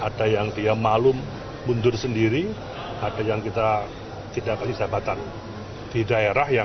bagaimana negara negara penduduk tersebut melakukan jadwal yang berusek lebih ke os dan ingin menangkan anggaran ekonomi secara spontan